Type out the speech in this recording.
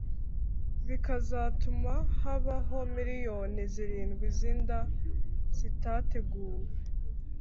bikazatuma habaho miliyoni zirindwi z’inda zitateguwe,